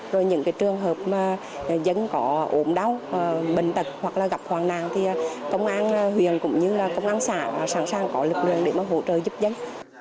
rồi những trường hợp mà dân có ổn đau bệnh tật hoặc là gặp hoàn nạn thì công an huyền cũng như là công an xã sẵn sàng có lực lượng để mà hỗ trợ giúp dân